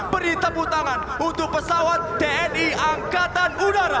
beri tepuk tangan untuk pesawat tni angkatan udara